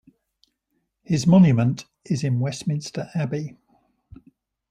His monument is in Westminster Abbey.